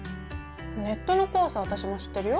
ネットの怖さは私も知ってるよ。